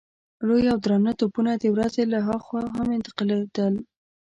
لوی او درانه توپونه د ورځې له خوا هم انتقالېدل.